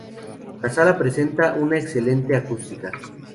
La sala presenta una excelente acústica.